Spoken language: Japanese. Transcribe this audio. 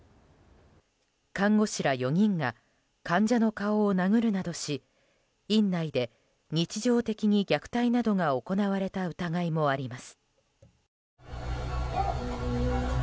看護師ら４人が患者の顔を殴るなどし院内で日常的に虐待などが行われた疑いもあります。